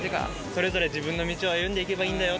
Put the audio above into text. それぞれ自分の道を歩んでいけばいいんだよ。